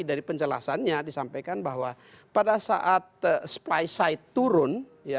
jadi penjelasannya disampaikan bahwa pada saat supply side turun